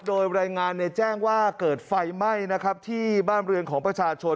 โดยรายงานแจ้งว่าเกิดไฟไหม้ที่บ้านบริเวณของประชาชน